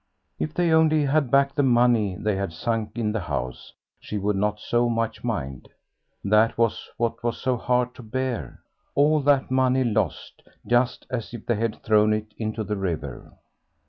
If they only had back the money they had sunk in the house she would not so much mind. That was what was so hard to bear; all that money lost, just as if they had thrown it into the river.